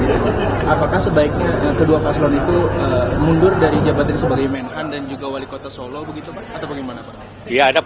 apakah sebaiknya kedua paslon itu mundur dari jabatan sebagai menhan dan juga wali kota solo begitu pak atau bagaimana pak